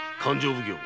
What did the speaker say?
奉行